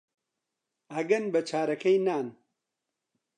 ئەگەن بە چارەکەی نان